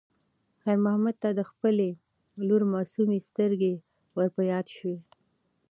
خیر محمد ته د خپلې لور معصومې سترګې ور په یاد شوې.